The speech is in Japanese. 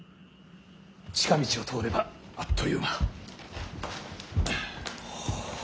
近道を通ればあっという間。